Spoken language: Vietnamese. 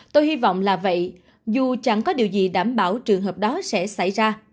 tôi hy vọng là vậy dù chẳng có điều gì đảm bảo trường hợp đó sẽ xảy ra